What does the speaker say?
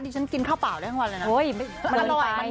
ดิฉันกินข้าวเบาได้ทั้งวันแล้วนะ